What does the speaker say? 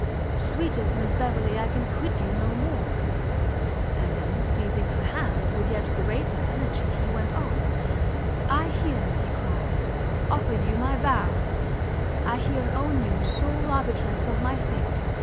sweetest Miss Beverley, I can quit you no more!" And then, seizing her hand, with yet greater energy, he went on, "I here," he cried, "offer you my vows, I here own you sole arbitress of my fate!